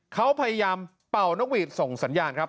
เขาพยายามเป่านกหวีดส่งสัญญาณครับ